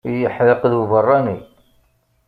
Yeḥdeq d uberranni.